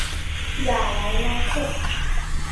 雅莱拉克。